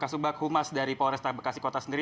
kasubag humas dari polresta bekasi kota sendiri